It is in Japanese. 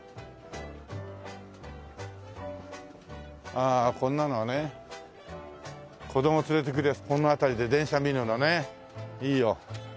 ああこんなのはね子供連れて来ればこの辺りで電車見るようなねいいよ。